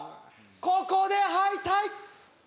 ここで敗退！